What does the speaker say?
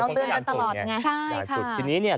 เราตื่นกันตลอดไงใช่ค่ะทีนี้เนี้ย